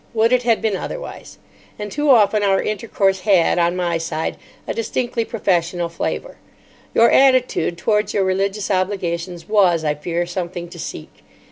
Would it had been otherwise! And too often our intercourse had—on my side—a distinctly professional flavour. Your attitude towards your religious obligations was, I fear, something to seek.